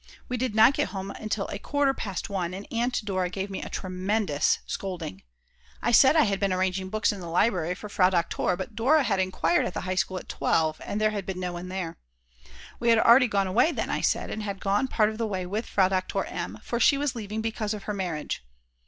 We did not get home until a quarter past 1, and Aunt Dora gave me a tremendous scolding. I said I had been arranging books in the library for Frau Doktor, but Dora had enquired at the High School at 12, and there had been no one there. We had already gone away then, I said, and had gone part of the way with Frau Doktor M., for she was leaving because of her marriage.